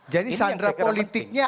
jadi sandra politiknya